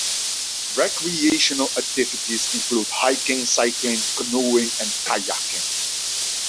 Recreational activities include hiking, cycling, canoeing, and kayaking.